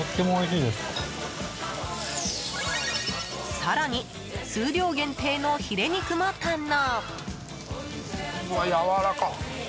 更に、数量限定のヒレ肉も堪能。